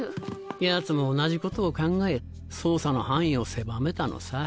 ヤツも同じことを考え捜査の範囲を狭めたのさ。